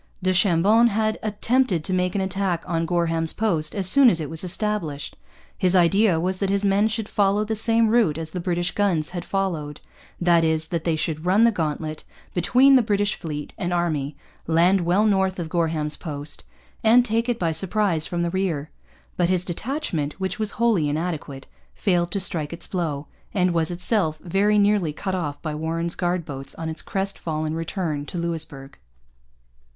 Du Chambon had attempted to make an attack on Gorham's Post as soon as it was established. His idea was that his men should follow the same route as the British guns had followed that is, that they should run the gauntlet between the British fleet and army, land well north of Gorham's Post, and take it by surprise from the rear. But his detachment, which was wholly inadequate, failed to strike its blow, and was itself very nearly cut off by Warren's guard boats on its crest fallen return to Louisbourg.